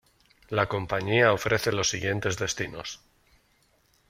La compañía ofrece los siguientes destinos.